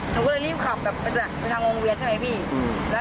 หนูก็เลยรีบขับเป็นทางองค์เวียเครื่องกำเผ้าดิน